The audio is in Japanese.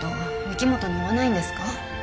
御木本に言わないんですか？